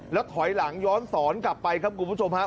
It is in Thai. แล้วถอยหลังย้อนสอนกลับไปครับคุณผู้ชมฮะ